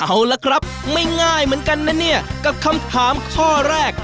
เอาละครับไม่ง่ายเหมือนกันนะเนี่ยกับคำถามข้อแรก